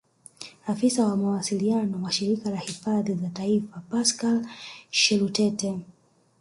Afisa wa mawasiliano wa Shirika la Hifadhi za Taifa Pascal Shelutete